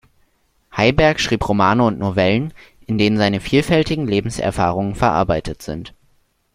Heiberg schrieb Romane und Novellen, in denen seine vielfältigen Lebenserfahrungen verarbeitet sind.